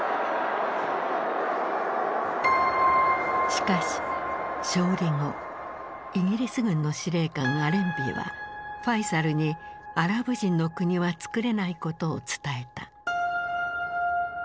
しかし勝利後イギリス軍の司令官アレンビーはファイサルにアラブ人の国はつくれないことを伝えた。